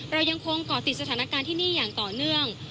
เรายังคงเกาะติดสถานการณ์ที่นี่อย่างต่อเนื่อง